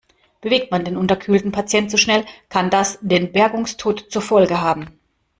Bewegt man den unterkühlten Patienten zu schnell, kann das den Bergungstod zur Folge haben.